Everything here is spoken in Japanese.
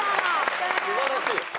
素晴らしい。